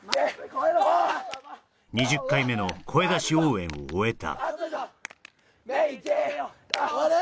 ２０回目の声出し応援を終えた・頑張れ！